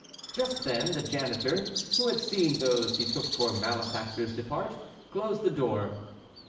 Just then the janitor, who had seen those he took for malefactors depart, closed the door.